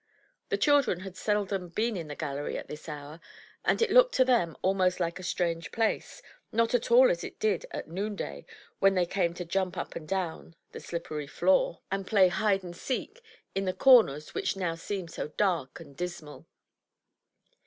The children had seldom been in the gallery at this hour, and it looked to them almost like a strange place, not at all as it did at noon day .when they came to jump up and down the slippery floor, 317 MY BOOK HOUSE and play hide and seek in the comers which now seemed so dark and dismal.